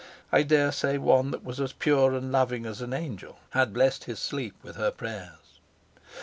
I dare say one that was as pure and loving as an angel had blessed his sleep with her prayers.